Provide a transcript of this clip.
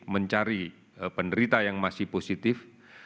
mencari penderita yang masih positif